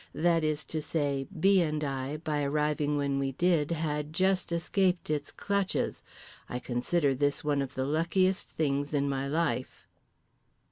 That is to say, B. and I (by arriving when we did) had just escaped its clutches. I consider this one of the luckiest things in my life.